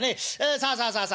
さあさあさあさあ